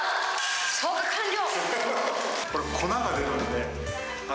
消火完了。